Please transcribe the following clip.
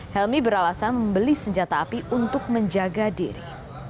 helmi beralasan membeli senjata api untuk menjaga diri